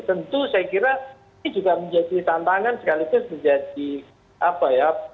tentu saya kira ini juga menjadi tantangan sekaligus menjadi apa ya